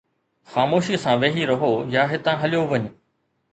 خاموشي سان ويھي رھو يا ھتان ھليو وڃ